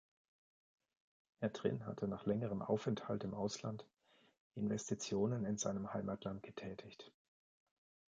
Herr Trinh hatte nach längerem Aufenthalt im Ausland Investitionen in seinem Heimatland getätigt.